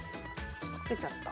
かけちゃった。